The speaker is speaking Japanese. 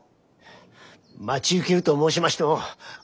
待ち受けると申しましても相手は雲霧。